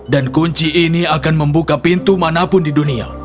dan kunci ini akan membuka pintu manapun di dunia